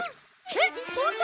えっホント！？